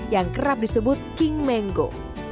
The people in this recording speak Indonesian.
yang kerap disebut king menggo